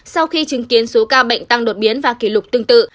sau khi chứng kiến số ca bệnh tăng đột biến và kỷ lục tương tự